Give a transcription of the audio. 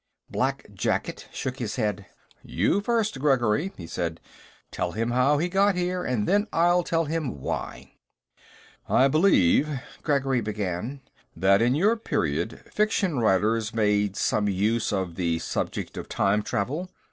Black jacket shook his head. "You first, Gregory," he said. "Tell him how he got here, and then I'll tell him why." "I believe," Gregory began, "that in your period, fiction writers made some use of the subject of time travel.